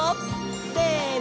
せの！